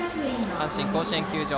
阪神甲子園球場。